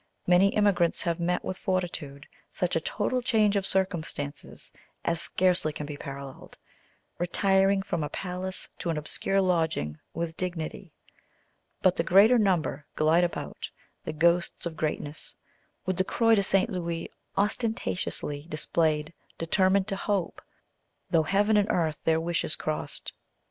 Many emigrants have met, with fortitude, such a total change of circumstances as scarcely can be paralleled, retiring from a palace to an obscure lodging with dignity; but the greater number glide about, the ghosts of greatness, with the Croix de St. Louis ostentatiously displayed, determined to hope, "though heaven and earth their wishes crossed."